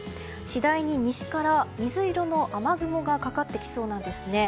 次第に西から水色の雨雲がかかってきそうなんですね。